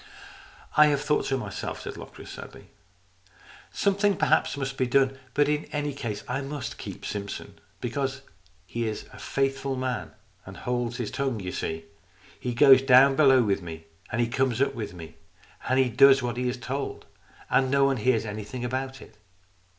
" I have thought so myself," said Locris, sadly, " Something perhaps must be done. But in any case I must keep Simpson, because he is a faithful man and holds his tongue. You see ? He goes down below with me, and he comes up with me, and he does what he is told, and no one hears anything about it.